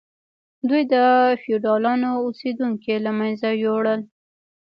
دوی د فیوډالانو اوسیدونکي له منځه یوړل.